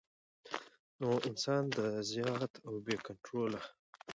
نو انسان د زيات او بې کنټروله